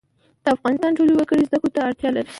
د افغانستان ټول وګړي زده کړو ته اړتیا لري